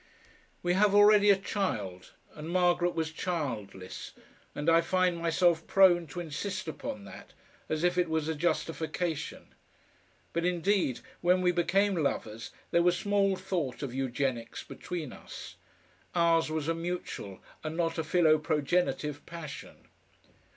We have already a child, and Margaret was childless, and I find myself prone to insist upon that, as if it was a justification. But, indeed, when we became lovers there was small thought of Eugenics between us. Ours was a mutual and not a philoprogenitive passion.